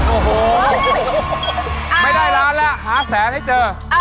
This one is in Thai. โอ้โหไม่ได้ล้านแล้วหาแสนให้เจอ